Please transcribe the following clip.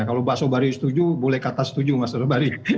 kalau mbak sobari setuju boleh kata setuju mas sobari